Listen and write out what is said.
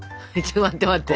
待って待って。